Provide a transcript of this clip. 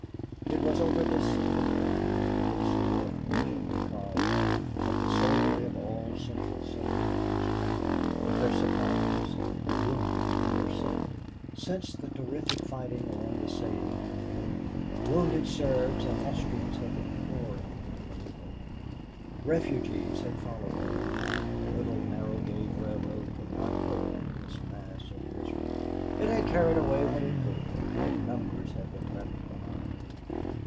It was over this single track, with its dwarf engine and cars, that the soldiery of all Central Serbia was traveling with their supplies, their wounded and their sick. Since the terrific fighting along the Save and the Dwina, wounded Serbs and Austrians had been pouring into Valievo. Refugees had followed them. The little narrow gauge railroad could not cope with this mass of misery. It had carried away what it could but numbers had been left behind.